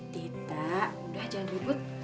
tidak udah jangan ribut